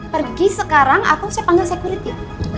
pergi sekarang atau saya panggil security